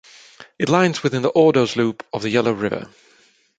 It lies within the Ordos Loop of the Yellow River.